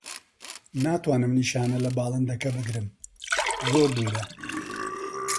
ناتوانم نیشانە لە باڵندەکە بگرم. زۆر دوورە.